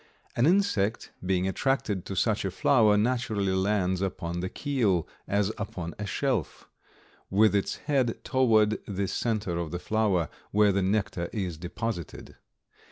An insect being attracted to such a flower naturally lands upon the keel as upon a shelf, with its head toward the center of the flower, where the nectar is deposited.